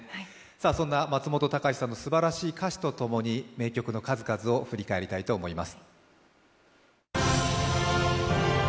そんな松本隆さんの特別な歌詩とともにすばらしい名曲の数々を振り返りたいと思います。